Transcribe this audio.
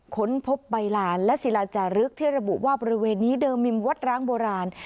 ค้นพบใบลานและศิลาจารึกที่ระบุว่าบริเวณนี้เดิมมีวัดร้างโบราณ